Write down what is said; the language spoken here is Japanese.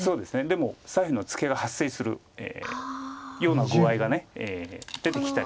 でも左辺のツケが発生するような具合が出てきたりするので。